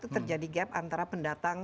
terjadi gap antara pendatang